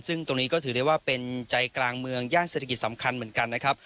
ซึ่งตรงนี้ก็ถือได้ว่าเป็นใจกลางเมืองย่านเศรษฐกิจสำคัญเหมือนกันนะครับ